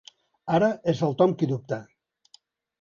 Ara és el Tom qui dubta.